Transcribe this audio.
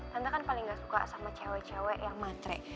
tante kan paling gak suka sama cewek cewek yang matre